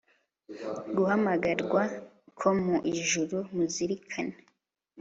guhamagarwa ko mu ijuru muzirikane